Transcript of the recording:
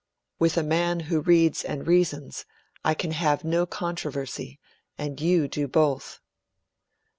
With a man who reads and reasons I can have no controversy; and you do both.'